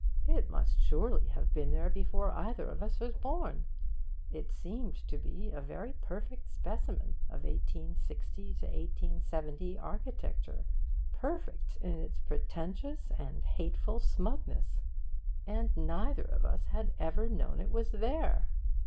It must surely have been there before either of us was born. It seemed to be a very perfect specimen of 1860 1870 architecture perfect in its pretentious and hateful smugness. And neither of us had ever known it was there.